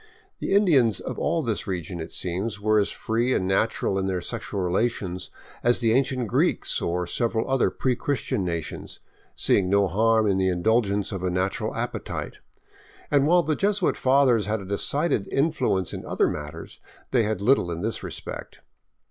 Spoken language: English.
The Indians of all this region, it seems, were as free and natural in their sexual relations as the ancient Greeks or several other pre Chris tian nations, seeing no harm in the indulgence of a natural appetite; and while the Jesuit fathers had a decided influence in other matters, they had little in this respect.